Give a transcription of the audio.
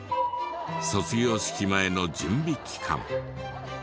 卒業式前の準備期間。